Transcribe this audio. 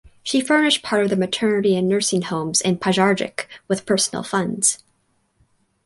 She furnished part of the maternity and nursing homes in Pazardzhik with personal funds.